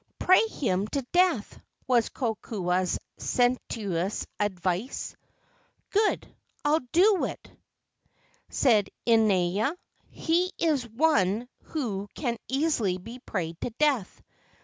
"Pray him to death," was Kokua's sententious advice. "Good; I'll do it," said Inaina: "he is one who can easily be prayed to death.